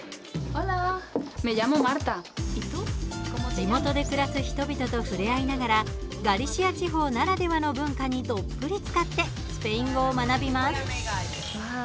地元で暮らす人々と触れ合いながらガリシア地方ならではの文化にどっぷりつかってスペイン語を学びます。